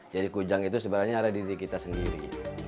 jadi kujang itu sebenarnya ada di diri kita sendiri